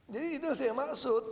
jadi itu yang saya maksud